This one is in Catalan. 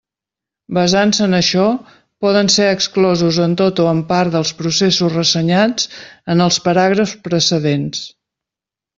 Basant-se en això, poden ser exclosos en tot o en part dels processos ressenyats en els paràgrafs precedents.